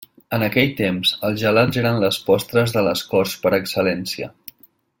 En aquell temps els gelats eren les postres de les corts per excel·lència.